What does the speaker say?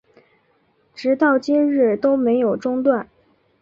直到今日都没有中断